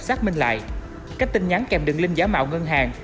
xác minh lại các tin nhắn kèm đường link giả mạo ngân hàng